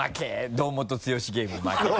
堂本剛ゲーム負け。